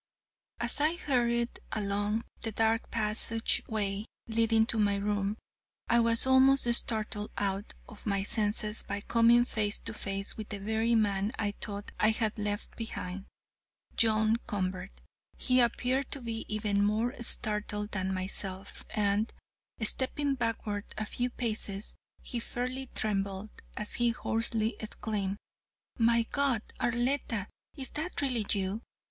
"'As I hurried along the dark passageway leading to my room, I was almost startled out of my senses by coming face to face with the very man I thought I had left behind, John Convert. He appeared to be even more startled than myself, and, stepping backward a few paces, he fairly trembled, as he hoarsely exclaimed: 'My God, Arletta, is that really you?'